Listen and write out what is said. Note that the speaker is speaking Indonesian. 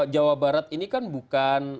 jawa barat ini kan bukan